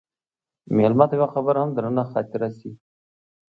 مېلمه ته یوه خبره هم درنه خاطره شي.